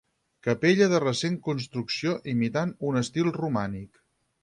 Capella de recent construcció, imitant un estil romànic.